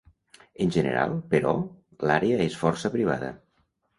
En general, però, l'àrea és força privada.